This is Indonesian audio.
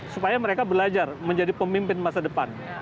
supaya mereka belajar menjadi pemimpin masa depan